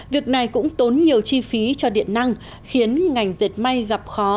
việc này cũng tốn nhiều chi phí cho điện năng khiến ngành dệt may gặp khó